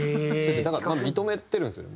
だから多分認めてるんですよね。